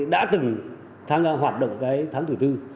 đã từng hoạt động cái tháng thủ tư